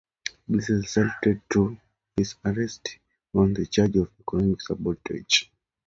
This resulted in his arrest on the charge of "economic sabotage".